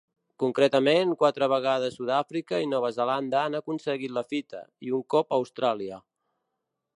Concretament, quatre vegades Sud-àfrica i Nova Zelanda han aconseguit la fita, i un cop Austràlia.